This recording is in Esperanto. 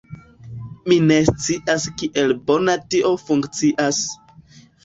Mi ne scias kiel bone tio funkcias